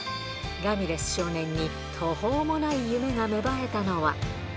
ラミレス少年に途方もない夢が芽生えたのは。